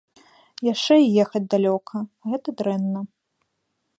Яшчэ і ехаць далёка, гэта дрэнна.